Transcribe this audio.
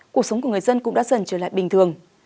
cuộc sống của người dân cũng đã dần trở lại bình thường